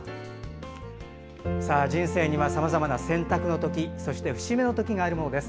人生には、さまざまな選択の時節目の時があります。